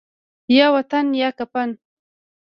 یا وطن یا کفن